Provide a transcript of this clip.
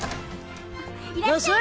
いらっしゃい！